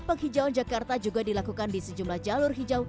penghijauan jakarta juga dilakukan di sejumlah jalur hijau